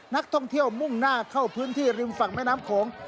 นักท่องเที่ยวมุ่งหน้าเข้าพื้นที่ริมฝั่งแม่น้ำโขง